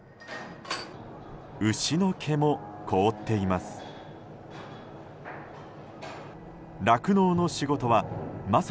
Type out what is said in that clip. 牛の毛も凍っています。